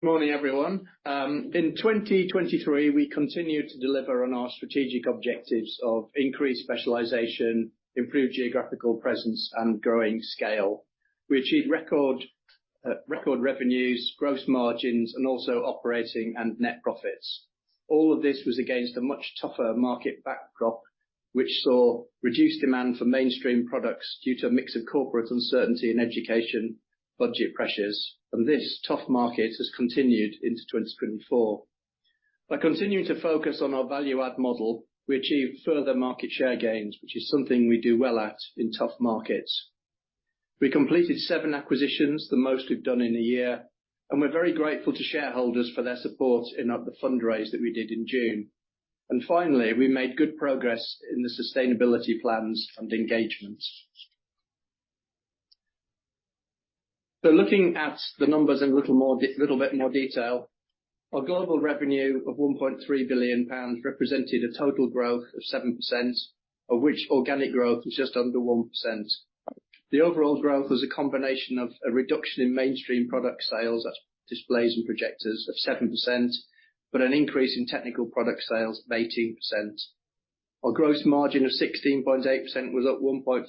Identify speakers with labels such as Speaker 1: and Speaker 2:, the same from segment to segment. Speaker 1: Good morning, everyone. In 2023 we continued to deliver on our strategic objectives of increased specialization, improved geographical presence, and growing scale. We achieved record, record revenues, gross margins, and also operating and net profits. All of this was against a much tougher market backdrop, which saw reduced demand for mainstream products due to a mix of corporate uncertainty and education budget pressures, and this tough market has continued into 2024. By continuing to focus on our value-add model, we achieved further market share gains, which is something we do well at in tough markets. We completed seven acquisitions, the most we've done in a year, and we're very grateful to shareholders for their support in, the fundraise that we did in June. And finally, we made good progress in the sustainability plans and engagements. So looking at the numbers in a little bit more detail, our global revenue of 1.3 billion pounds represented a total growth of 7%, of which organic growth was just under 1%. The overall growth was a combination of a reduction in mainstream product sales at displays and projectors of 7%, but an increase in technical product sales of 18%. Our gross margin of 16.8% was up 1.5%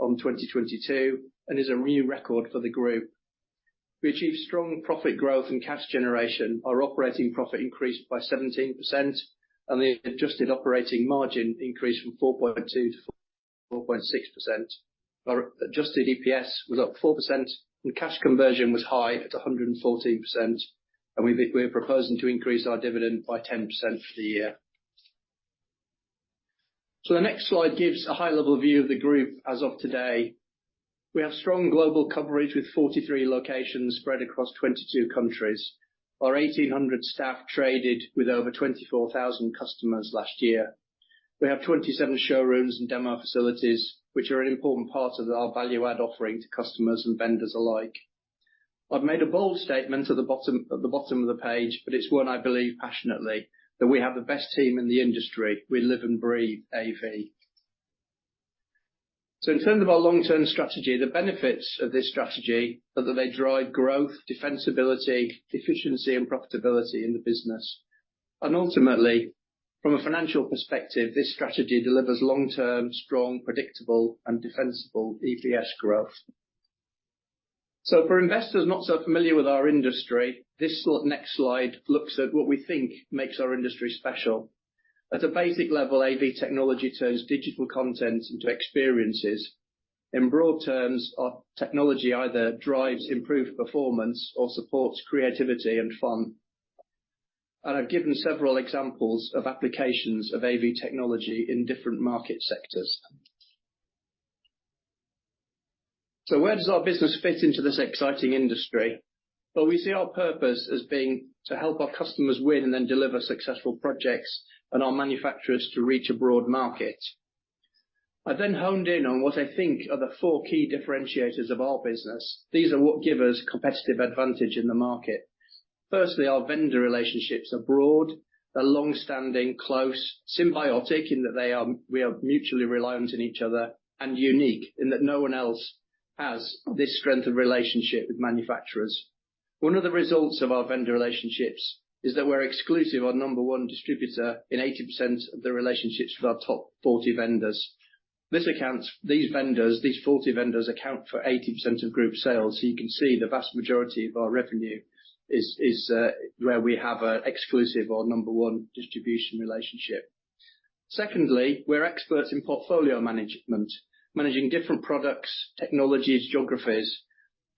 Speaker 1: on 2022 and is a new record for the group. We achieved strong profit growth and cash generation, our operating profit increased by 17%, and the adjusted operating margin increased from 4.2%-4.6%. Our adjusted EPS was up 4%, and cash conversion was high at 114%, and we're proposing to increase our dividend by 10% for the year. So the next slide gives a high-level view of the group as of today. We have strong global coverage with 43 locations spread across 22 countries. Our 1,800 staff traded with over 24,000 customers last year. We have 27 showrooms and demo facilities, which are an important part of our value-add offering to customers and vendors alike. I've made a bold statement at the bottom of the page, but it's one I believe passionately, that we have the best team in the industry. We live and breathe AV. So in terms of our long-term strategy, the benefits of this strategy are that they drive growth, defensibility, efficiency, and profitability in the business. Ultimately, from a financial perspective, this strategy delivers long-term, strong, predictable, and defensible EPS growth. For investors not so familiar with our industry, the next slide looks at what we think makes our industry special. At a basic level, AV technology turns digital content into experiences. In broad terms, our technology either drives improved performance or supports creativity and fun. I've given several examples of applications of AV technology in different market sectors. So where does our business fit into this exciting industry? Well, we see our purpose as being to help our customers win and then deliver successful projects and our manufacturers to reach a broad market. I then honed in on what I think are the four key differentiators of our business. These are what give us competitive advantage in the market. Firstly, our vendor relationships are broad. They're long-standing, close, symbiotic in that they are we are mutually reliant on each other, and unique in that no one else has this strength of relationship with manufacturers. One of the results of our vendor relationships is that we're exclusive or number one distributor in 80% of the relationships with our top 40 vendors. These 40 vendors account for 80% of group sales, so you can see the vast majority of our revenue is where we have an exclusive or number one distribution relationship. Secondly, we're experts in portfolio management, managing different products, technologies, geographies.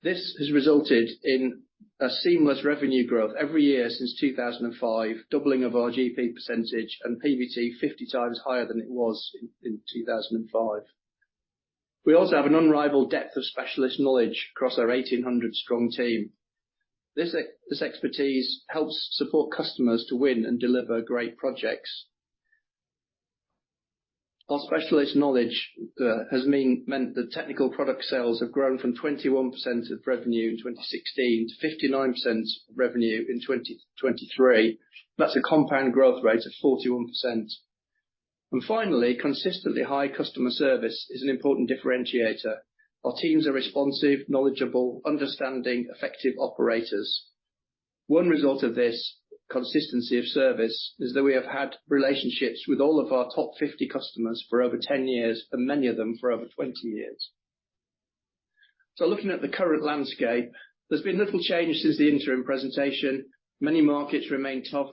Speaker 1: This has resulted in a seamless revenue growth every year since 2005, doubling of our GP percentage and PBT 50 x higher than it was in 2005. We also have an unrivaled depth of specialist knowledge across our 1,800-strong team. This expertise helps support customers to win and deliver great projects. Our specialist knowledge has meant that technical product sales have grown from 21% of revenue in 2016 to 59% of revenue in 2023. That's a compound growth rate of 41%. And finally, consistently high customer service is an important differentiator. Our teams are responsive, knowledgeable, understanding, effective operators. One result of this consistency of service is that we have had relationships with all of our top 50 customers for over 10 years and many of them for over 20 years. So looking at the current landscape, there's been little change since the interim presentation. Many markets remain tough,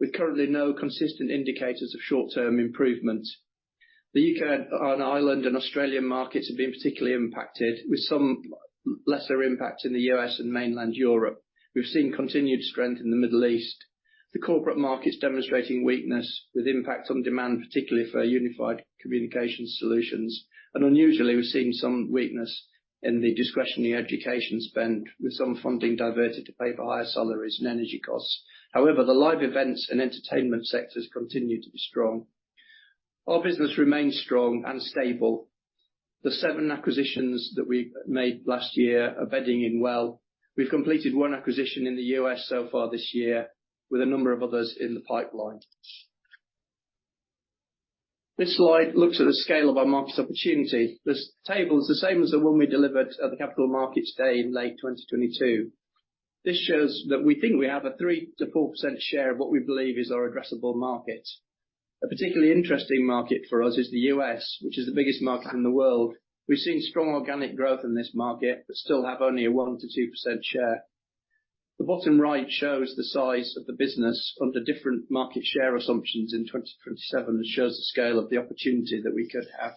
Speaker 1: with currently no consistent indicators of short-term improvement. The UK and Ireland and Australian markets have been particularly impacted, with some lesser impact in the U.S. and mainland Europe. We've seen continued strength in the Middle East. The corporate markets demonstrating weakness with impact on demand, particularly for unified communications solutions. Unusually, we've seen some weakness in the discretionary education spend, with some funding diverted to pay for higher salaries and energy costs. However, the live events and entertainment sectors continue to be strong. Our business remains strong and stable. The 7 acquisitions that we made last year are bedding in well. We've completed 1 acquisition in the U.S. so far this year, with a number of others in the pipeline. This slide looks at the scale of our market opportunity. This table is the same as the one we delivered at the Capital Markets Day in late 2022. This shows that we think we have a 3%-4% share of what we believe is our addressable market. A particularly interesting market for us is the U.S., which is the biggest market in the world. We've seen strong organic growth in this market, but still have only a 1%-2% share. The bottom right shows the size of the business under different market share assumptions in 2027 and shows the scale of the opportunity that we could have.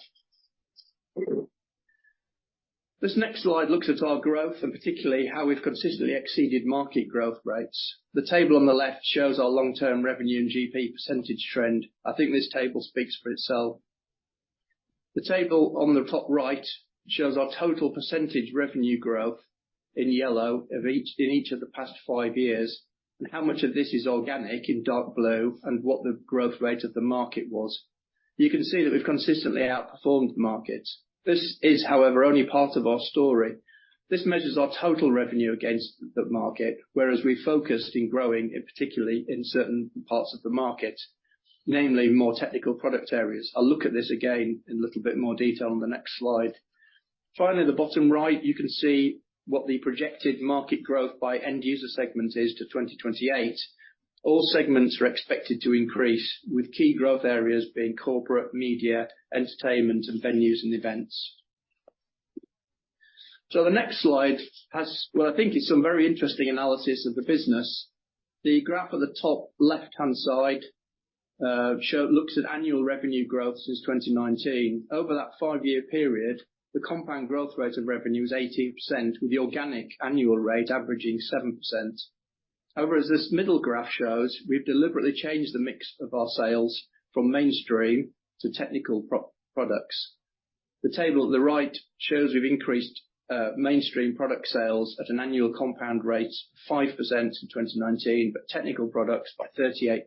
Speaker 1: This next slide looks at our growth and particularly how we've consistently exceeded market growth rates. The table on the left shows our long-term revenue and GP percentage trend. I think this table speaks for itself. The table on the top right shows our total percentage revenue growth in yellow of each in each of the past five years, and how much of this is organic in dark blue and what the growth rate of the market was. You can see that we've consistently outperformed the market. This is, however, only part of our story. This measures our total revenue against that market, whereas we focused in growing, particularly in certain parts of the market. Namely, more technical product areas. I'll look at this again in a little bit more detail on the next slide. Finally, the bottom right, you can see what the projected market growth by end user segment is to 2028. All segments are expected to increase, with key growth areas being corporate, media, entertainment, and venues and events. So the next slide has, well, I think it's some very interesting analysis of the business. The graph at the top left-hand side looks at annual revenue growth since 2019. Over that five-year period, the compound growth rate of revenue was 18%, with the organic annual rate averaging 7%. However, as this middle graph shows, we've deliberately changed the mix of our sales from mainstream to technical pro products. The table at the right shows we've increased mainstream product sales at an annual compound rate of 5% in 2019, but technical products by 38%.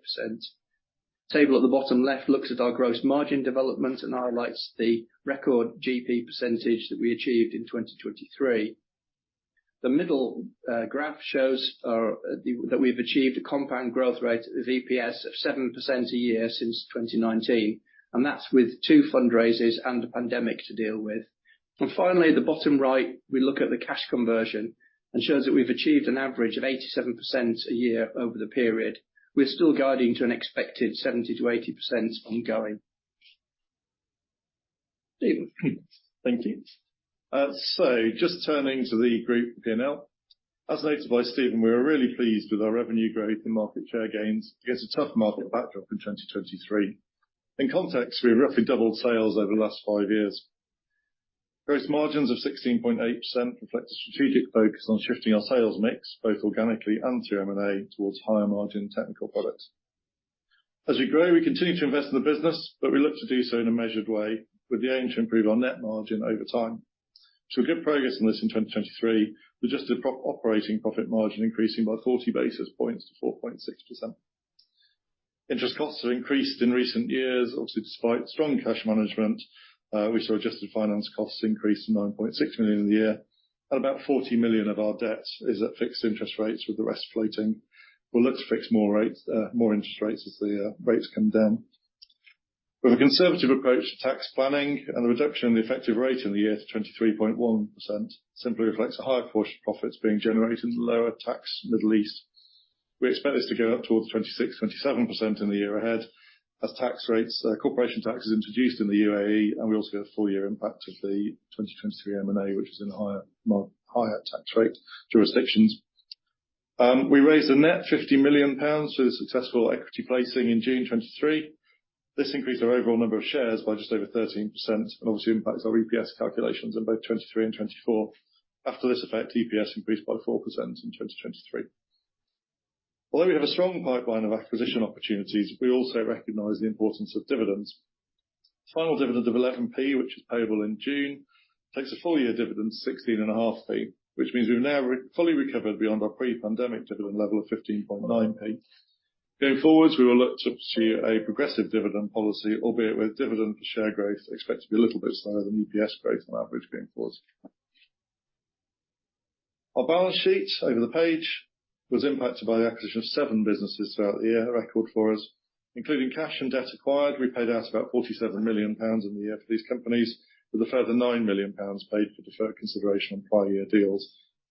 Speaker 1: The table at the bottom left looks at our gross margin development and highlights the record GP percentage that we achieved in 2023. The middle graph shows that we've achieved a compound growth rate of EPS of 7% a year since 2019, and that's with two fundraisers and a pandemic to deal with. And finally, the bottom right, we look at the cash conversion and shows that we've achieved an average of 87% a year over the period. We're still guiding to an expected 70%-80% ongoing. Stephen.
Speaker 2: Thank you. So just turning to the group P&L. As noted by Stephen, we are really pleased with our revenue growth and market share gains against a tough market backdrop in 2023. In context, we have roughly doubled sales over the last five years. Gross margins of 16.8% reflect a strategic focus on shifting our sales mix, both organically and through M&A, towards higher margin technical products. As we grow, we continue to invest in the business, but we look to do so in a measured way, with the aim to improve our net margin over time. We saw good progress on this in 2023, with adjusted operating profit margin increasing by 40 basis points to 4.6%. Interest costs have increased in recent years, obviously despite strong cash management. We saw adjusted finance costs increase from 9.6 million a year. About 40 million of our debt is at fixed interest rates, with the rest floating. We'll look to fix more rates, more interest rates as the rates come down. With a conservative approach to tax planning and the reduction in the effective rate in the year to 23.1%, simply reflects a higher portion of profits being generated in the lower tax Middle East. We expect this to go up towards 26%-27% in the year ahead, as tax rates, corporation tax is introduced in the UAE, and we also get a full-year impact of the 2023 M&A, which is in higher tax rate jurisdictions. We raised a net 50 million pounds through the successful equity placing in June 2023. This increased our overall number of shares by just over 13% and obviously impacts our EPS calculations in both 2023 and 2024. After this effect, EPS increased by 4% in 2023. Although we have a strong pipeline of acquisition opportunities, we also recognize the importance of dividends. Final dividend of 0.11, which is payable in June, takes a full-year dividend of 0.165, which means we've now fully recovered beyond our pre-pandemic dividend level of 0.159. Going forward, we will look to pursue a progressive dividend policy, albeit with dividend per share growth expected to be a little bit slower than EPS growth on average going forward. Our balance sheet over the page was impacted by the acquisition of seven businesses throughout the year, a record for us. Including cash and debt acquired, we paid out about 47 million pounds in the year for these companies, with a further 9 million pounds paid for deferred consideration on prior year deals.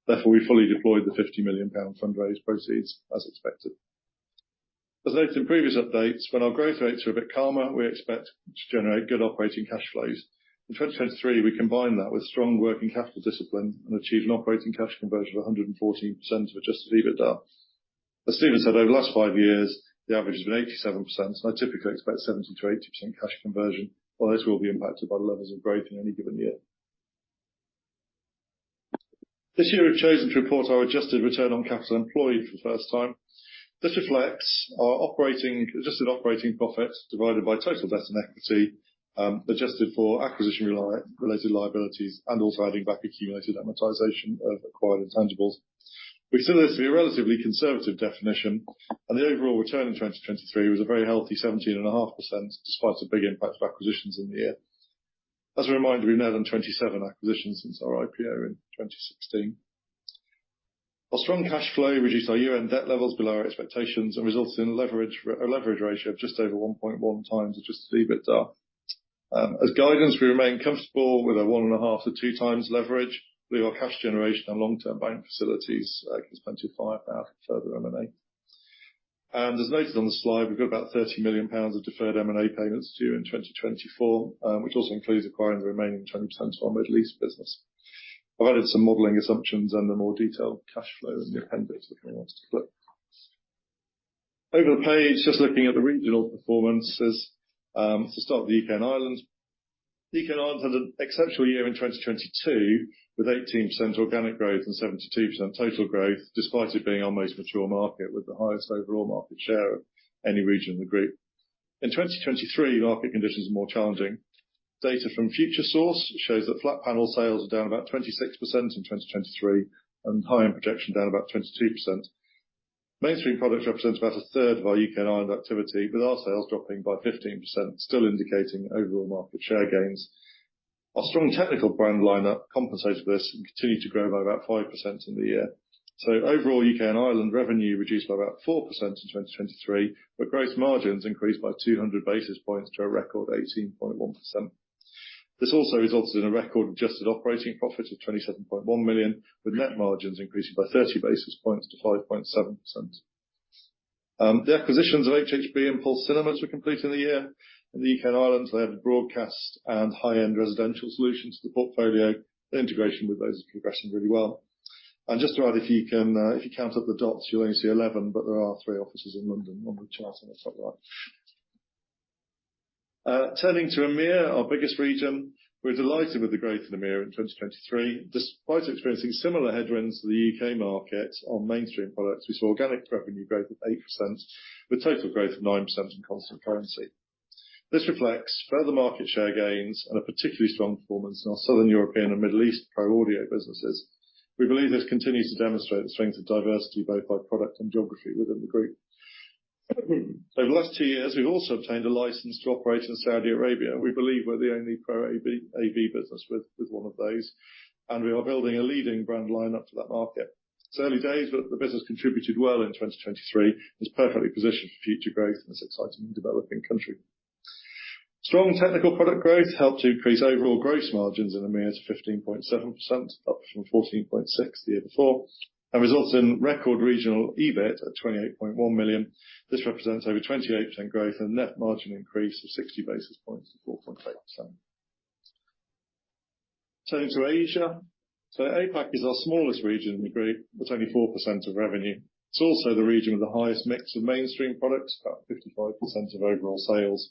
Speaker 2: Therefore, we fully deployed the 50 million pound fundraise proceeds as expected. As noted in previous updates, when our growth rates are a bit calmer, we expect to generate good operating cash flows. In 2023, we combined that with strong working capital discipline and achieved an operating cash conversion of 114% of adjusted EBITDA. As Stephen said, over the last five years, the average has been 87%, and I typically expect 70%-80% cash conversion, although this will be impacted by the levels of growth in any given year. This year, we've chosen to report our adjusted return on capital employed for the first time. This reflects our operating adjusted operating profit divided by total debt and equity, adjusted for acquisition related liabilities and also adding back accumulated amortization of acquired intangibles. We consider this to be a relatively conservative definition, and the overall return in 2023 was a very healthy 17.5% despite a big impact of acquisitions in the year. As a reminder, we've now done 27 acquisitions since our IPO in 2016. Our strong cash flow reduced our net debt levels below our expectations and resulted in a leverage ratio of just over 1.1 x adjusted EBITDA. As guidance, we remain comfortable with a 1.5-2x leverage. We believe our cash generation and long-term bank facilities can support up to GBP 50 million further M&A. And as noted on the slide, we've got about 30 million pounds of deferred M&A payments due in 2024, which also includes acquiring the remaining 20% of our Middle East business. I've added some modeling assumptions and the more detailed cash flow in the appendix if anyone wants to click. Over the page, just looking at the regional performances, to start with the UK and Ireland. The UK and Ireland had an exceptional year in 2022 with 18% organic growth and 72% total growth, despite it being our most mature market with the highest overall market share of any region in the group. In 2023, market conditions are more challenging. Data from Futuresource shows that flat panel sales are down about 26% in 2023 and high-end projection down about 22%. Mainstream products represent about a third of our UK and Ireland activity, with our sales dropping by 15%, still indicating overall market share gains. Our strong technical brand lineup compensated for this and continued to grow by about 5% in the year. Overall, UK and Ireland revenue reduced by about 4% in 2023, but gross margins increased by 200 basis points to a record 18.1%. This also resulted in a record adjusted operating profit of 27.1 million, with net margins increasing by 30 basis points to 5.7%. The acquisitions of HHB and Pulse Cinemas were complete in the year. In the UK and Ireland, they had broadcast and high-end residential solutions to the portfolio. The integration with those is progressing really well. Just to add, if you count up the dots, you'll only see 11, but there are three offices in London on the chart on the top right. Turning to EMEA, our biggest region, we're delighted with the growth in EMEA in 2023. Despite experiencing similar headwinds to the UK market on mainstream products, we saw organic revenue growth of 8% with total growth of 9% in constant currency. This reflects further market share gains and a particularly strong performance in our Southern European and Middle East pro audio businesses. We believe this continues to demonstrate the strength of diversity both by product and geography within the group. Over the last 2 years, we've also obtained a license to operate in Saudi Arabia. We believe we're the only pro AV business with one of those. And we are building a leading brand lineup for that market. It's early days, but the business contributed well in 2023 and is perfectly positioned for future growth in this exciting and developing country. Strong technical product growth helped to increase overall gross margins in EMEA to 15.7%, up from 14.6% the year before, and resulted in record regional EBIT at 28.1 million. This represents over 28% growth and a net margin increase of 60 basis points to 4.8%. Turning to Asia. So APAC is our smallest region in the group with only 4% of revenue. It's also the region with the highest mix of mainstream products, about 55% of overall sales.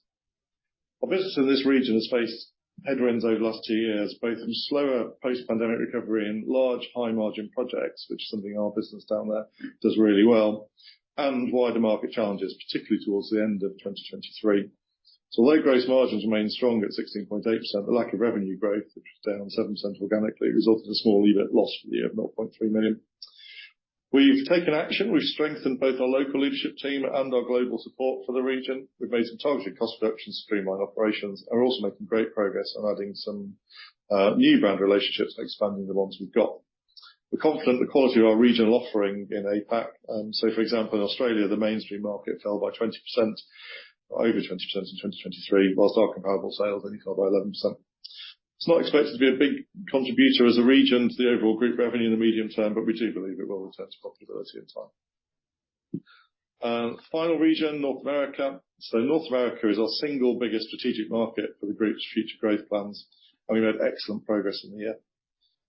Speaker 2: Our business in this region has faced headwinds over the last two years, both from slower post-pandemic recovery in large high-margin projects, which is something our business down there does really well, and wider market challenges, particularly towards the end of 2023. So although gross margins remain strong at 16.8%, the lack of revenue growth, which was down 7% organically, resulted in a small EBIT loss for the year of 0.3 million. We've taken action. We've strengthened both our local leadership team and our global support for the region. We've made some targeted cost reductions, streamlined operations, and we're also making great progress on adding some new brand relationships and expanding the ones we've got. We're confident in the quality of our regional offering in APAC. For example, in Australia, the mainstream market fell by 20%, over 20% in 2023, while our comparable sales only fell by 11%. It's not expected to be a big contributor as a region to the overall group revenue in the medium term, but we do believe it will return to profitability in time. Final region, North America. North America is our single biggest strategic market for the group's future growth plans, and we've made excellent progress in the year.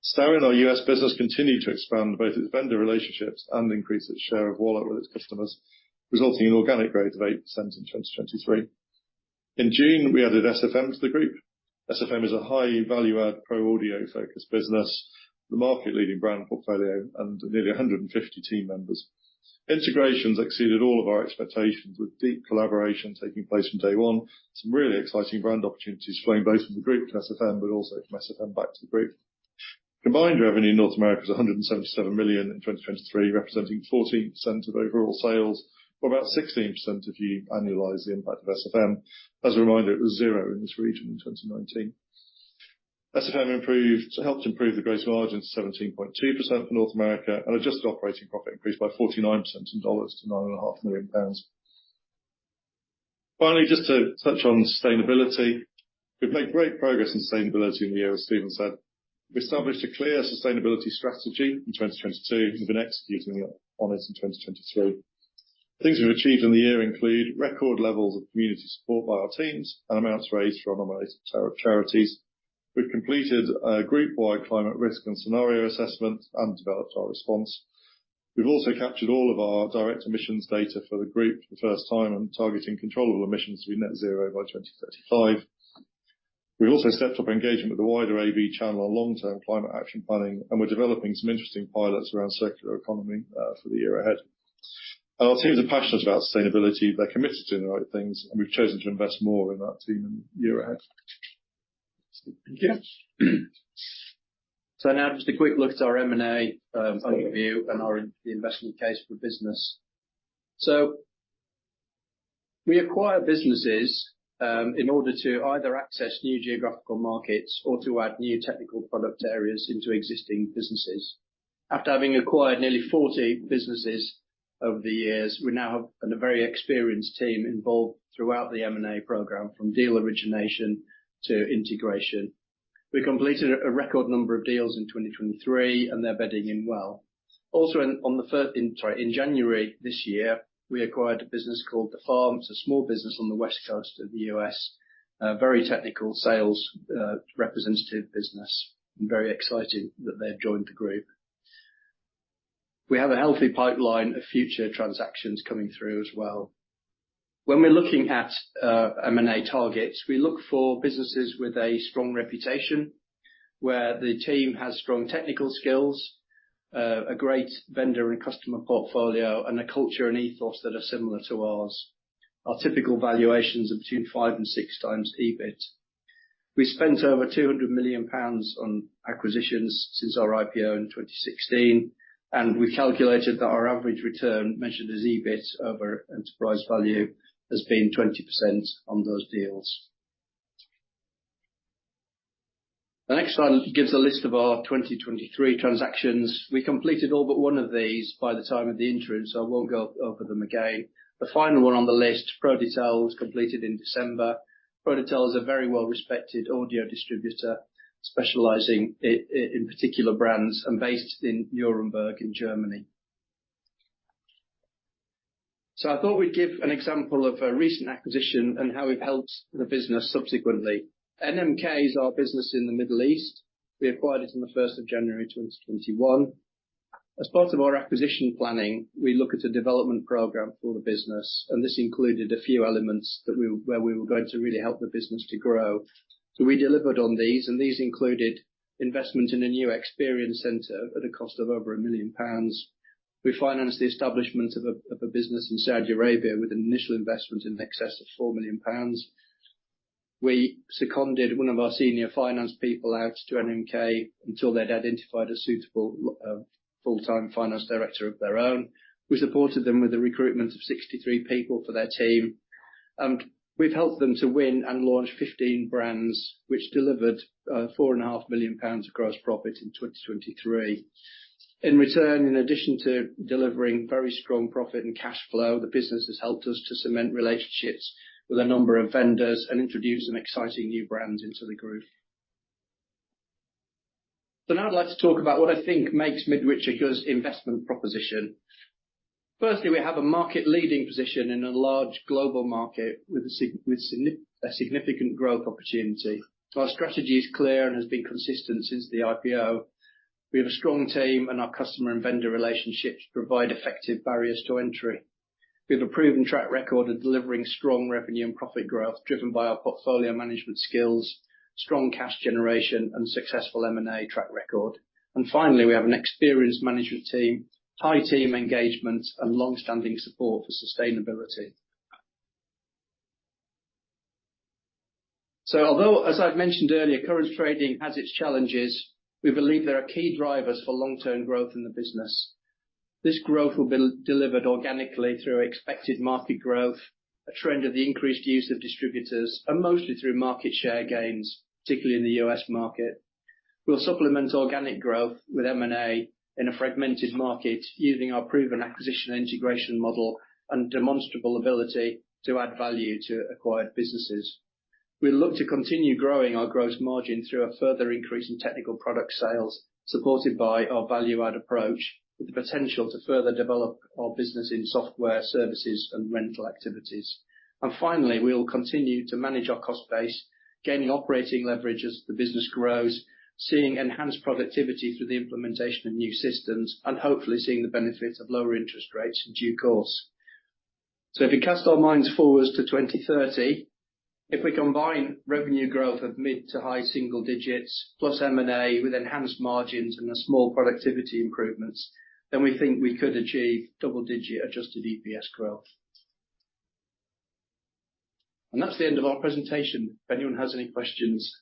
Speaker 2: Starin, our U.S. business, continued to expand both its vendor relationships and increase its share of wallet with its customers, resulting in organic growth of 8% in 2023. In June, we added SFM to the group. SFM is a high value-add pro audio-focused business, the market-leading brand portfolio and nearly 150 team members. Integrations exceeded all of our expectations, with deep collaboration taking place from day one. Some really exciting brand opportunities flowing both from the group to SFM, but also from SFM back to the group. Combined revenue in North America is 177 million in 2023, representing 14% of overall sales, or about 16% if you annualize the impact of SFM. As a reminder, it was zero in this region in 2019. SFM helped improve the gross margin to 17.2% for North America and adjusted operating profit increased by 49% in dollars to 9.5 million pounds. Finally, just to touch on sustainability. We've made great progress in sustainability in the year, as Stephen said. We established a clear sustainability strategy in 2022 and have been executing on it in 2023. Things we've achieved in the year include record levels of community support by our teams and amounts raised for our nominated charities. We've completed a group-wide climate risk and scenario assessment and developed our response. We've also captured all of our direct emissions data for the group for the first time and targeting controllable emissions to be net zero by 2035. We've also stepped up engagement with the wider AV channel on long-term climate action planning, and we're developing some interesting pilots around circular economy, for the year ahead. Our teams are passionate about sustainability. They're committed to doing the right things, and we've chosen to invest more in that team in the year ahead.
Speaker 1: Thank you. So now just a quick look at our M&A overview and our investment case for the business. So we acquire businesses, in order to either access new geographical markets or to add new technical product areas into existing businesses. After having acquired nearly 40 businesses over the years, we now have a very experienced team involved throughout the M&A program, from deal origination to integration. We completed a record number of deals in 2023, and they're bedding in well. Also, in January this year, we acquired a business called The Farm. It's a small business on the West Coast of the U.S., a very technical sales representative business. I'm very excited that they've joined the group. We have a healthy pipeline of future transactions coming through as well. When we're looking at M&A targets, we look for businesses with a strong reputation where the team has strong technical skills, a great vendor and customer portfolio, and a culture and ethos that are similar to ours. Our typical valuations are between five and six x EBIT. We spent over 200 million pounds on acquisitions since our IPO in 2016, and we've calculated that our average return measured as EBIT over enterprise value has been 20% on those deals. The next slide gives a list of our 2023 transactions. We completed all but one of these by the time of the interim, so I won't go over them again. The final one on the list, ProdyTel, completed in December. ProdyTel is a very well-respected audio distributor specializing in particular brands and based in Nuremberg in Germany. So I thought we'd give an example of a recent acquisition and how we've helped the business subsequently. NMK is our business in the Middle East. We acquired it on the 1st of January 2021. As part of our acquisition planning, we look at a development program for the business, and this included a few elements that we were going to really help the business to grow. So we delivered on these, and these included investment in a new experience center at a cost of over 1 million pounds. We financed the establishment of a business in Saudi Arabia with an initial investment in excess of 4 million pounds. We seconded one of our senior finance people out to NMK until they'd identified a suitable, full-time finance director of their own. We supported them with the recruitment of 63 people for their team. We've helped them to win and launch 15 brands, which delivered 4.5 million pounds across profit in 2023. In return, in addition to delivering very strong profit and cash flow, the business has helped us to cement relationships with a number of vendors and introduce some exciting new brands into the group. Now I'd like to talk about what I think makes Midwich a good investment proposition. Firstly, we have a market-leading position in a large global market with a significant growth opportunity. Our strategy is clear and has been consistent since the IPO. We have a strong team, and our customer and vendor relationships provide effective barriers to entry. We have a proven track record of delivering strong revenue and profit growth driven by our portfolio management skills, strong cash generation, and successful M&A track record. Finally, we have an experienced management team, high team engagement, and longstanding support for sustainability. Although, as I've mentioned earlier, current trading has its challenges, we believe there are key drivers for long-term growth in the business. This growth will be delivered organically through expected market growth, a trend of the increased use of distributors, and mostly through market share gains, particularly in the US market. We'll supplement organic growth with M&A in a fragmented market using our proven acquisition integration model and demonstrable ability to add value to acquired businesses. We'll look to continue growing our gross margin through a further increase in technical product sales supported by our value-add approach with the potential to further develop our business in software, services, and rental activities. Finally, we'll continue to manage our cost base, gaining operating leverage as the business grows, seeing enhanced productivity through the implementation of new systems, and hopefully seeing the benefit of lower interest rates in due course. If we cast our minds forward to 2030, if we combine revenue growth of mid to high single digits plus M&A with enhanced margins and small productivity improvements, then we think we could achieve double-digit Adjusted EPS growth. That's the end of our presentation. If anyone has any questions.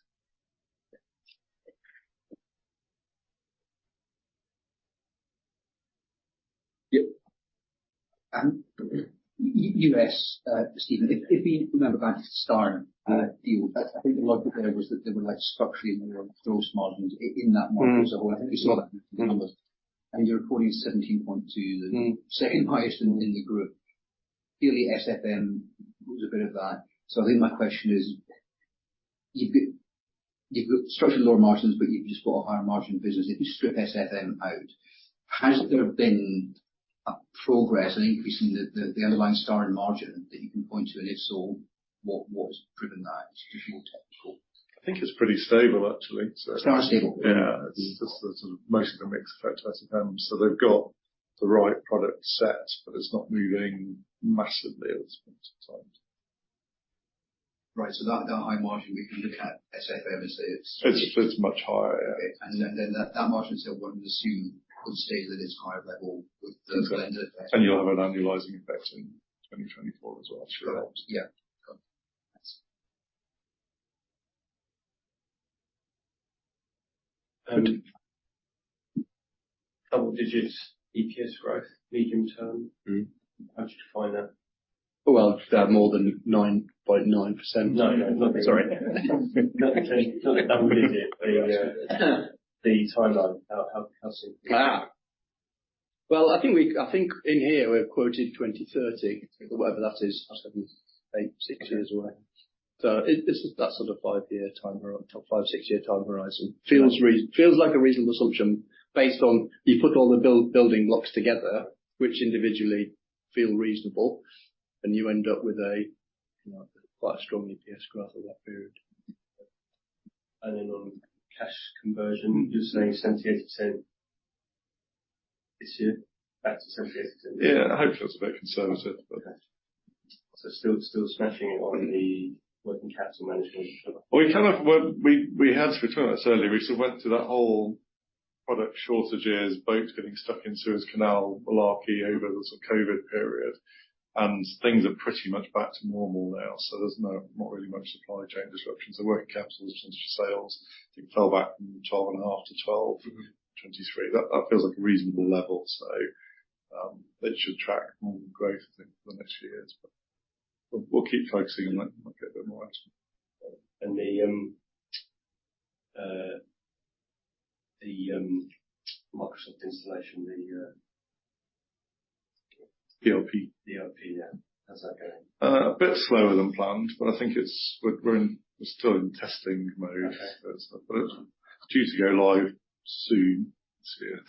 Speaker 3: Yep. US, Stephen, if you remember back to the Starin deal, I think the logic there was that they would like to structure in the gross margins in that market as a whole. I think we saw that in the numbers. I mean, your reporting is 17.2, the second highest in the group. Clearly, SFM was a bit of that. So I think my question is, you've got structured lower margins, but you've just got a higher margin business. If you strip SFM out, has there been a progress, an increase in the underlying Starin margin that you can point to? And if so, what's driven that? Just more technical.
Speaker 2: I think it's pretty stable, actually.
Speaker 3: Starin is stable?
Speaker 2: Yeah. It's just the sort of most of the mix affects SFM. So they've got the right product set, but it's not moving massively at this point in time.
Speaker 3: Right. So that high margin, we can look at SFM and say it's.
Speaker 2: It's much higher, yeah.
Speaker 3: Okay. And then that margin itself, one would assume would stay at its higher level with the vendor.
Speaker 2: You'll have an annualizing effect in 2024 as well through the margin.
Speaker 3: Yeah.
Speaker 4: Double-digit EPS growth medium term, how would you define that?
Speaker 1: Oh, well, more than 9.9%.
Speaker 4: No, no, nothing.
Speaker 1: Sorry.
Speaker 4: Nothing. Double-digit, the timeline, how simple is that?
Speaker 1: Well, I think in here we're quoted 2030, whatever that is, that's 7, 8, 6 years away. So it's that sort of 5-year time, 5, 6-year time horizon. Feels like a reasonable assumption based on you put all the building blocks together, which individually feel reasonable, and you end up with a quite strong EPS growth of that period.
Speaker 4: On cash conversion, you're saying 78% this year, back to 78%?
Speaker 2: Yeah. I hope that's a bit conservative, but.
Speaker 4: Okay. Still smashing it on the working capital management.
Speaker 2: Well, we kind of had some return on that earlier. We sort of went through that whole product shortages, boats getting stuck in Suez Canal, malarkey, over the sort of COVID period, and things are pretty much back to normal now. So there's not really much supply chain disruption. So working capital returns to sales, I think, fell back from 12.5 to 12.23. That feels like a reasonable level, so it should track more growth, I think, for the next few years. But we'll keep focusing on that a bit more.
Speaker 4: And the Microsoft installation.
Speaker 2: PRP?
Speaker 4: ERP, yeah. How's that going?
Speaker 2: A bit slower than planned, but I think we're still in testing mode. But it's due to go live soon this year.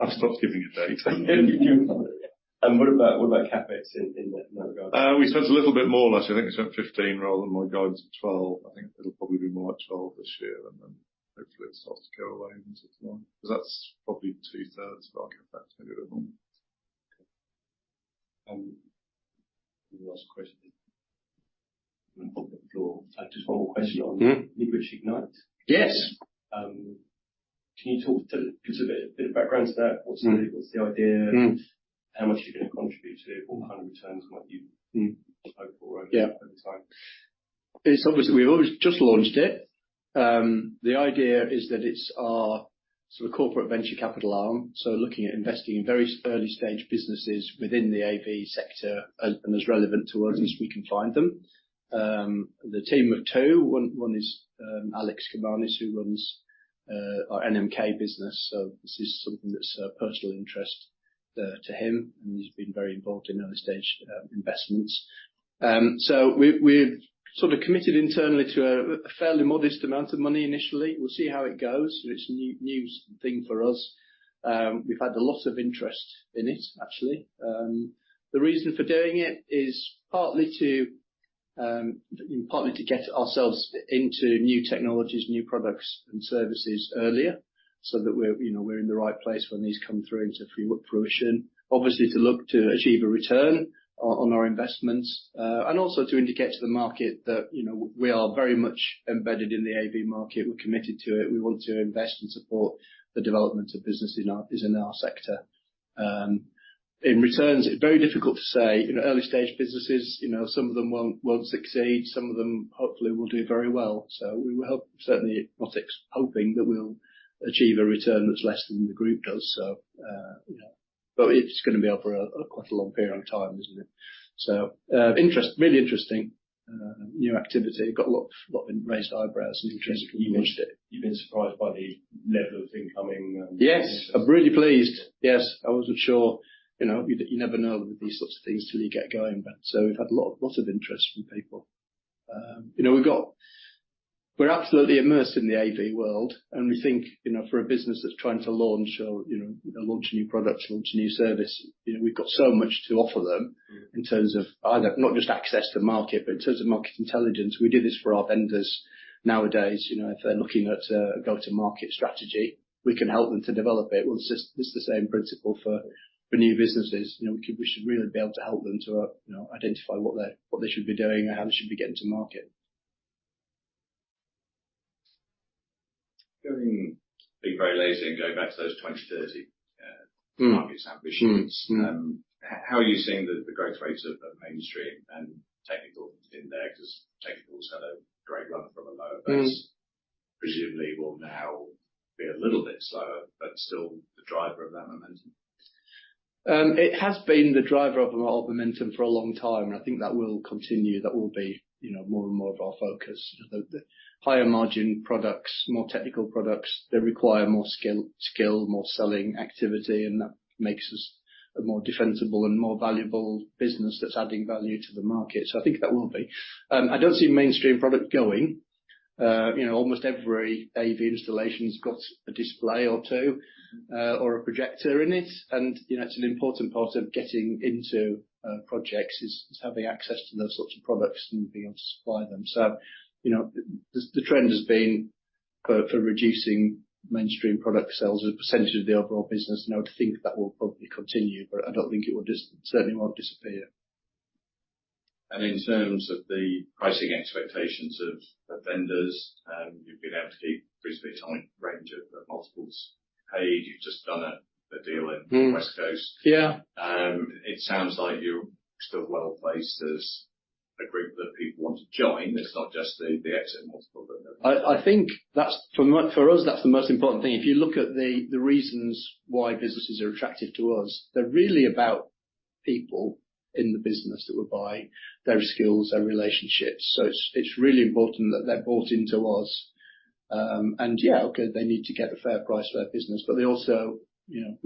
Speaker 2: I've stopped giving a date.
Speaker 4: What about CapEx in that regard?
Speaker 2: We spent a little bit more, actually. I think we spent 15 rather than my guidance of 12. I think it'll probably be more at 12 this year, and then hopefully it starts to go away and so forth. Because that's probably two-thirds of our CapEx, maybe a bit more.
Speaker 4: Okay. The last question is on the floor. Just one more question on Midwich Ignite.
Speaker 1: Yes.
Speaker 4: Can you talk to us a bit of background to that? What's the idea? How much are you going to contribute to it? What kind of returns might you hope for over time?
Speaker 1: It's obvious we've just launched it. The idea is that it's our sort of corporate venture capital arm. So looking at investing in very early-stage businesses within the AV sector and as relevant to us as we can find them. The team of two. One is Alex Kemanes, who runs our NMK business. So this is something that's personal interest to him, and he's been very involved in early-stage investments. So we've sort of committed internally to a fairly modest amount of money initially. We'll see how it goes. It's a new thing for us. We've had a lot of interest in it, actually. The reason for doing it is partly to get ourselves into new technologies, new products, and services earlier so that we're in the right place when these come through into fruition. Obviously, to look to achieve a return on our investments and also to indicate to the market that we are very much embedded in the AV market. We're committed to it. We want to invest and support the development of businesses in our sector. In returns, it's very difficult to say. Early-stage businesses, some of them won't succeed. Some of them hopefully will do very well. So we were certainly not hoping that we'll achieve a return that's less than the group does. But it's going to be over quite a long period of time, isn't it? So interesting, really interesting new activity. Got a lot of raised eyebrows and interested.
Speaker 4: You've been surprised by the level of incoming?
Speaker 1: Yes. I'm really pleased. Yes. I wasn't sure. You never know with these sorts of things till you get going. So we've had a lot of interest from people. We're absolutely immersed in the AV world, and we think for a business that's trying to launch or launch a new product, launch a new service, we've got so much to offer them in terms of either not just access to market, but in terms of market intelligence. We do this for our vendors nowadays. If they're looking at a go-to-market strategy, we can help them to develop it. Well, it's the same principle for new businesses. We should really be able to help them to identify what they should be doing and how they should be getting to market.
Speaker 4: Being very lazy and going back to those 2030 markets ambitions, how are you seeing the growth rates of mainstream and technical in there? Because technical's had a great run from a lower base. Presumably, will now be a little bit slower, but still the driver of that momentum?
Speaker 1: It has been the driver of our momentum for a long time, and I think that will continue. That will be more and more of our focus. Higher margin products, more technical products, they require more skill, more selling activity, and that makes us a more defensible and more valuable business that's adding value to the market. So I think that will be. I don't see mainstream product going. Almost every AV installation's got a display or two or a projector in it. And it's an important part of getting into projects is having access to those sorts of products and being able to supply them. So the trend has been for reducing mainstream product sales as a percentage of the overall business. I would think that will probably continue, but I don't think it will certainly won't disappear.
Speaker 4: In terms of the pricing expectations of vendors, you've been able to keep a reasonably tight range of multiples paid. You've just done a deal in the West Coast. It sounds like you're still well placed as a group that people want to join. It's not just the exit multiple, but.
Speaker 1: I think for us, that's the most important thing. If you look at the reasons why businesses are attractive to us, they're really about people in the business that will buy their skills, their relationships. So it's really important that they're bought into us. And yeah, okay, they need to get a fair price for their business, but we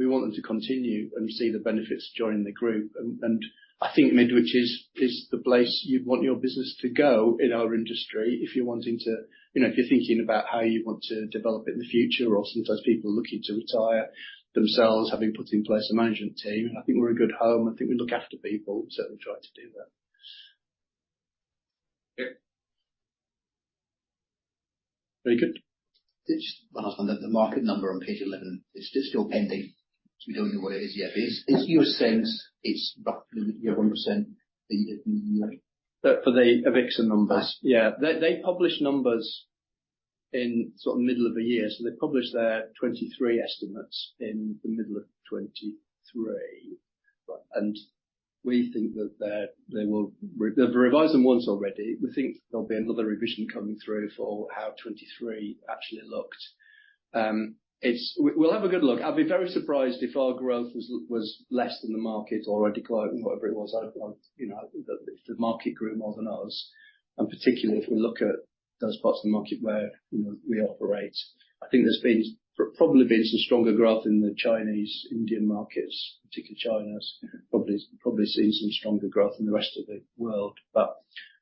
Speaker 1: want them to continue and see the benefits of joining the group. And I think Midwich is the place you'd want your business to go in our industry if you're wanting to if you're thinking about how you want to develop it in the future or sometimes people looking to retire themselves, having put in place a management team. And I think we're a good home. I think we look after people, certainly try to do that.
Speaker 4: Okay.
Speaker 1: Very good.
Speaker 4: The market number on page 11, it's still pending. We don't know what it is yet. Is your sense it's roughly you have 1% in the year?
Speaker 1: For the AVIXA numbers, yeah. They publish numbers in sort of the middle of the year. So they publish their 2023 estimates in the middle of 2023. And we think that they've revised them once already. We think there'll be another revision coming through for how 2023 actually looked. We'll have a good look. I'd be very surprised if our growth was less than the market or a decline or whatever it was. If the market grew more than us, and particularly if we look at those parts of the market where we operate, I think there's probably been some stronger growth in the Chinese, Indian markets, particularly China. Probably seen some stronger growth in the rest of the world. But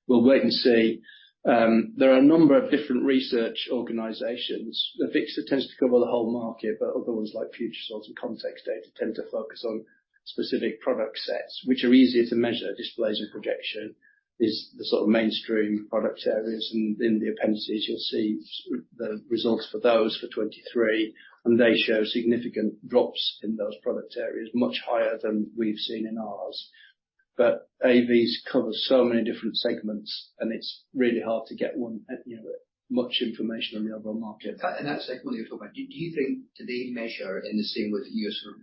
Speaker 1: we'll wait and see. There are a number of different research organisations. AVIXA tends to cover the whole market, but other ones like Futuresource and Context tend to focus on specific product sets, which are easier to measure. Displays and projection is the sort of mainstream product areas. In the appendices, you'll see the results for those for 2023, and they show significant drops in those product areas, much higher than we've seen in ours. But AVs cover so many different segments, and it's really hard to get much information on the overall market.
Speaker 4: That segment you're talking about, do you think do they measure in the same way that you're sort of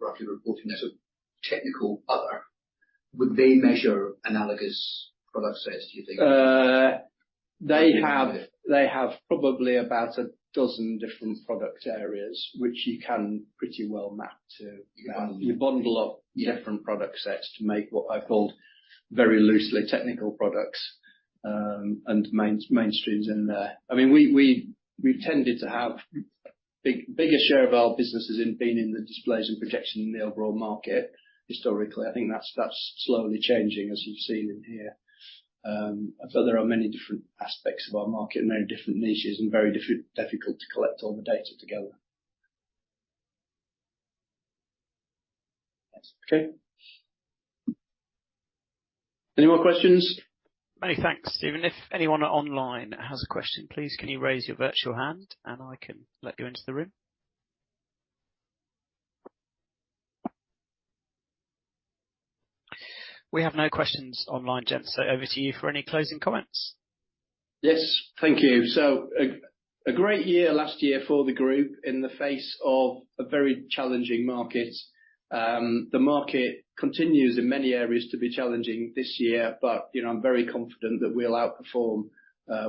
Speaker 4: roughly reporting that sort of technical other? Would they measure analogous product sets, do you think?
Speaker 1: They have probably about a dozen different product areas, which you can pretty well map to. You bundle up different product sets to make what I've called very loosely technical products and mainstreams in there. I mean, we've tended to have a bigger share of our businesses in being in the displays and projection in the overall market historically. I think that's slowly changing as you've seen in here. But there are many different aspects of our market and many different niches and very difficult to collect all the data together. Okay. Any more questions? Many thanks, Stephen. If anyone online has a question, please can you raise your virtual hand, and I can let go into the room? We have no questions online, gents. So over to you for any closing comments. Yes. Thank you. So a great year last year for the group in the face of a very challenging market. The market continues in many areas to be challenging this year, but I'm very confident that we'll outperform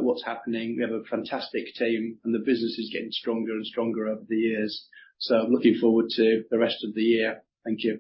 Speaker 1: what's happening. We have a fantastic team, and the business is getting stronger and stronger over the years. So I'm looking forward to the rest of the year. Thank you.